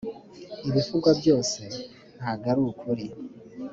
ibivugwa byose ntago arukuri.